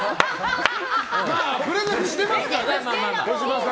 プレゼントしてますからね。